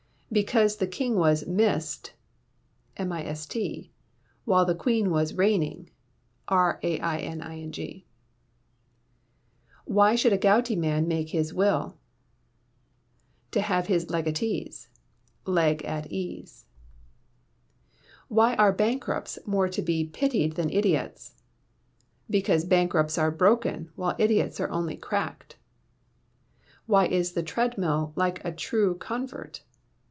Because the King was missed (mist) while the Queen was reigning (raining). Why should a gouty man make his will? To have his legatees (leg at ease). Why are bankrupts more to be pitied than idiots? Because bankrupts are broken, while idiots are only cracked. Why is the treadmill like a true convert?